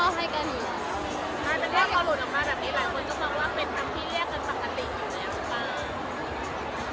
ถ้าเรียกเขาหลุดออกมาแบบนี้